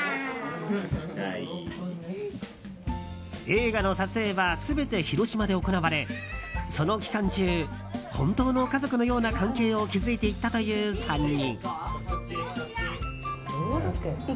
映画の撮影は全て広島で行われその期間中本当の家族のような関係を築いていったという３人。